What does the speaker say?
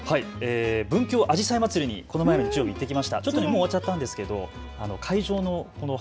文京あじさいまつりにこの前の日曜日、行ってきました。